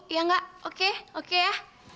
iya gak oke oke ya